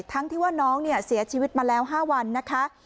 ทั้งที่ว่าน้องเนี่ยเสียชีวิตมาแล้ว๕วันนะคะ